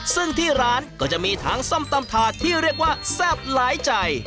ซึ่งที่ร้านก็จะมีทั้งส้มตำถาดที่เรียกว่าแซ่บหลายใจ